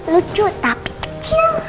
lucu tapi kecil